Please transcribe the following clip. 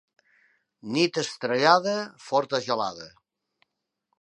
Nit estrellada, forta gelada.